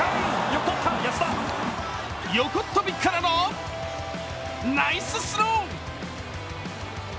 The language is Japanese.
横っ飛びからのナイススロー。